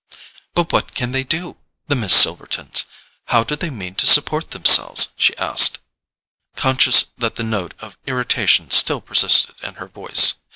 "But what can they do—the Miss Silvertons? How do they mean to support themselves?" she asked, conscious that the note of irritation still persisted in her voice.